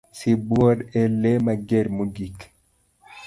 Sibuor e lee mager mogik.